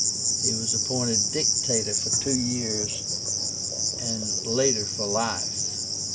He was appointed Dictator for two years, and later for life.